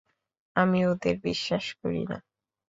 আমি ওদের বিশ্বাস করি না।